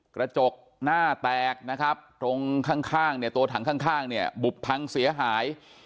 กระจกหน้าแตกนะครับตรงข้างเนี่ยตัวถังข้างเนี่ยบุบพังเสียหาย